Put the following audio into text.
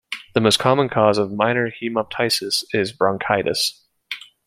The most common cause of minor hemoptysis is bronchitis.